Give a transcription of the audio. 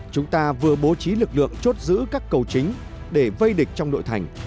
chúng ta vừa bố trí lực lượng chốt giữ các cầu chính để vây địch trong đội thành